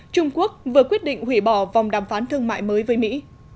trung quốc vừa quyết định hủy bỏ vòng đàm phán thương mại mới với mỹ